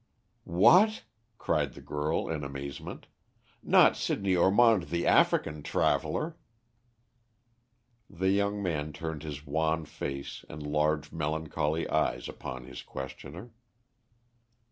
"What!" cried the girl in amazement; "not Sidney Ormond the African traveller?" The young man turned his wan face and large, melancholy eyes upon his questioner.